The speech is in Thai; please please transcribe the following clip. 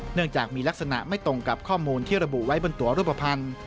เนื่องจากมีลักษณะไม่ตรงกับข้อมูลที่ระบุไว้บนตัวรูปภัณฑ์